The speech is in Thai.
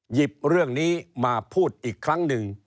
หยิบเรื่องนี้มาพูดอีกครั้งหนึ่ง